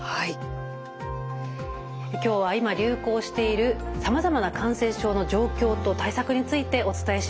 今日は今流行しているさまざまな感染症の状況と対策についてお伝えしました。